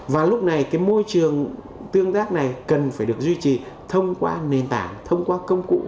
và lúc này cái môi trường tương tác này cần phải được duy trì thông qua nền tảng thông qua công cụ